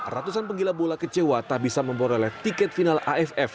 ratusan penggila bola kecewa tak bisa memperoleh tiket final aff